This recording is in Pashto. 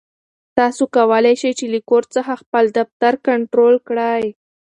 تاسو کولای شئ چې له کور څخه خپل دفتر کنټرول کړئ.